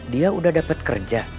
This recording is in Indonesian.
dia udah dapet kerja